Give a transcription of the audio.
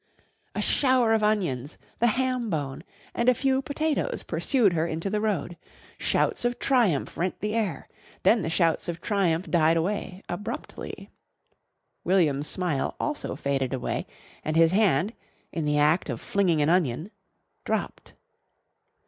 ] A shower of onions, the ham bone, and a few potatoes pursued her into the road. Shouts of triumph rent the air. Then the shouts of triumph died away abruptly. William's smile also faded away, and his hand, in the act of flinging an onion, dropped.